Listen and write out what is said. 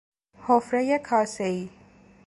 حفرهی کاسهای